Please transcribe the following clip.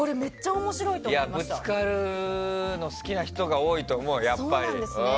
ぶつかるの好きな人が多いと思う、やっぱり。